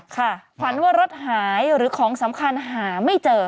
ขวัญว่ารถหายหรือของสำคัญหาไม่เจอ